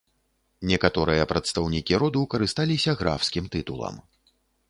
Некаторыя прадстаўнікі роду карысталіся графскім тытулам.